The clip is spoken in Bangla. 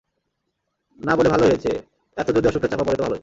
না বলে ভালোই হয়েছে, এত যদি অসুখটা চাপা পড়ে তো ভালোই।